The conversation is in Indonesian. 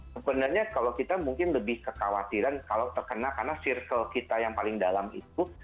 sebenarnya kalau kita mungkin lebih kekhawatiran kalau terkena karena circle kita yang paling dalam itu